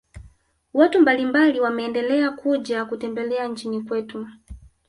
watu mbalimbali wameendela kuja kutembea nchini kwetu